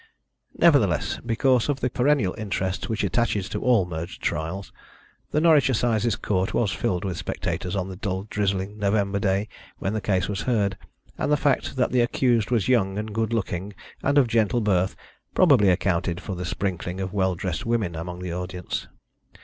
Nevertheless, because of the perennial interest which attaches to all murder trials, the Norwich Assizes Court was filled with spectators on the dull drizzling November day when the case was heard, and the fact that the accused was young and good looking and of gentle birth probably accounted for the sprinkling of well dressed women amongst the audience.